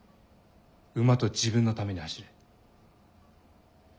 馬と自分のために走れ。